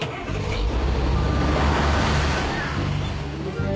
あっ。